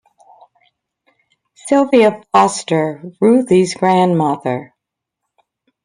Sylvia Foster - Ruthie's grandmother.